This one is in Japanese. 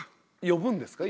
呼ぶんですか？